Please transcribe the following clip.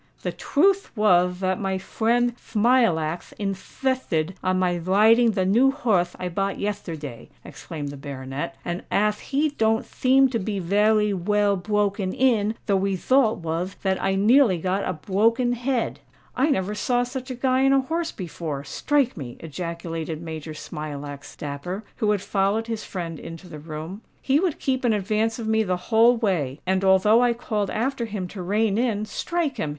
"The twuth wath that my fwiend Thmilackth inthithted on my widing the new horth I bought yethterday," exclaimed the baronet; "and ath he don't theem to be veway well bwoken in, the wethult wath that I nearly got a bwoken head." "I never saw such a Guy on a horse before—strike me!" ejaculated Major Smilax Dapper, who had followed his friend into the room. "He would keep in advance of me the whole way; and although I called after him to rein in—strike him!